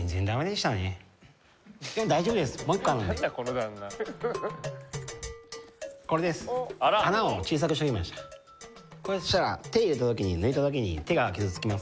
したら手入れた時に抜いた時に手が傷つきます。